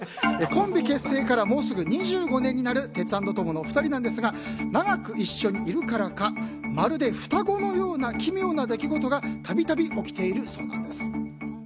コンビ結成からもうすぐ２５年になるテツａｎｄトモのお二人長く一緒にいるからかまるで双子のような奇妙な出来事がたびたび起きているそうです。